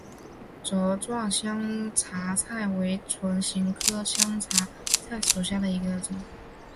帚状香茶菜为唇形科香茶菜属下的一个种。